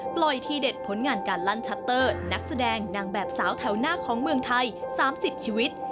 ทีเด็ดผลงานการลั่นชัตเตอร์นักแสดงนางแบบสาวแถวหน้าของเมืองไทย๓๐ชีวิต